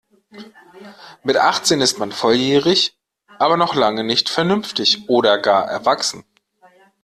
Mit achtzehn ist man volljährig, aber noch lange nicht vernünftig oder gar erwachsen.